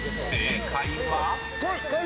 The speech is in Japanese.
［正解は⁉］